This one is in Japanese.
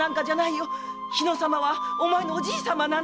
日野様はお前のおじいさまなんだよ。